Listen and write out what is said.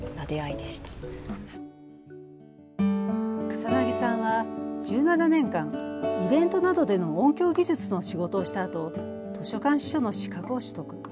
草薙さんは１７年間、イベントなどでの音響技術の仕事をしたあと図書館司書の資格を取得。